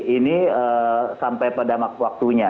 ini sampai pada waktunya